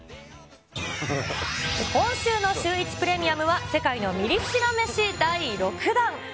今週のシューイチプレミアムは、世界のミリ知ら飯第６弾。